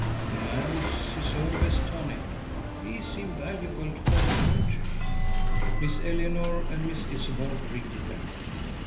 "The man is his own best tonic." "He is invaluable for the country." Miss Eleanor and Miss Isabel greeted them.